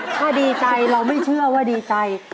ถ้าดีใจเราไม่เชื่อว่าดีใจ